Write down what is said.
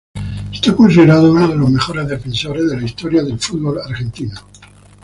Es considerado uno de los mejores defensores de la historia del fútbol argentino.